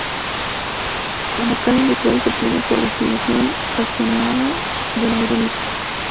En escala industrial, se obtiene por destilación fraccionada del aire líquido.